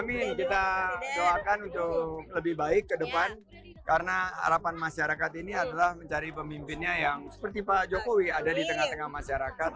amin kita doakan untuk lebih baik ke depan karena harapan masyarakat ini adalah mencari pemimpinnya yang seperti pak jokowi ada di tengah tengah masyarakat